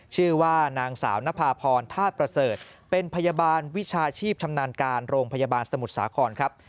ชื่อว่านางสาวนภาพรธาตุประเสริฐเป็นพยาบาลวิชาชีพชำนาญการโรงพยาบาลสมุทรสาครครับ